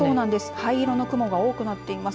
灰色の雲が多くなっています。